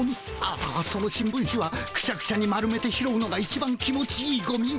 ああその新聞紙はクシャクシャに丸めて拾うのがいちばん気持ちいいゴミ。